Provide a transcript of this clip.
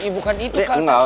bukan itu kak